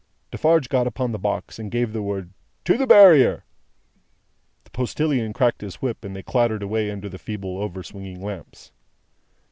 Defarge got upon the box, and gave the word "To the Barrier!" The postilion cracked his whip, and they clattered away under the feeble over swinging lamps.